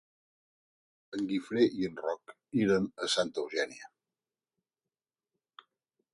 Dimarts en Guifré i en Roc iran a Santa Eugènia.